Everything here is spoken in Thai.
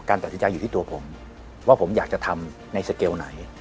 ตัดสินใจอยู่ที่ตัวผมว่าผมอยากจะทำในสเกลไหน